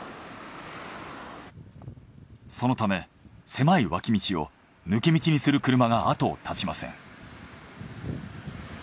そのため狭い脇道を抜け道にする車が後を絶ちません。